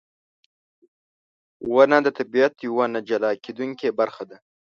• ونه د طبیعت یوه نه جلا کېدونکې برخه ده.